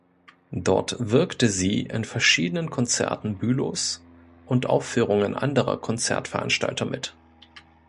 Dort wirkte sie in verschiedenen Konzerten Bülows und Aufführungen anderer Konzertveranstalter mit.